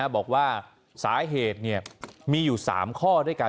บอกว่าสาเหตุมีอยู่๓ข้อด้วยกัน